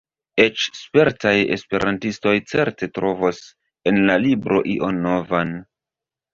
Eĉ spertaj esperantistoj certe trovos en la libro ion novan.